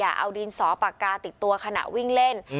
เอาดินสอปากกาติดตัวขณะวิ่งเล่น